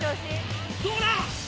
どうだ？